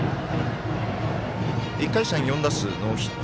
１回戦、４打数ノーヒット。